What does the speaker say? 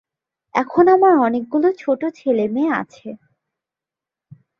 এখন আমার অনেকগুলো ছোট ছেলে-মেয়ে আছে।